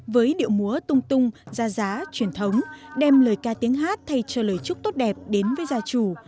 với điệu múa tung tung gia giá truyền thống đem lời ca tiếng hát thay cho lời chúc tốt đẹp đến với gia chủ